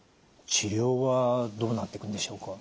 治療はどうなっていくんでしょうか？